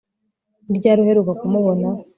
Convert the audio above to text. Ni ryari uheruka kumubona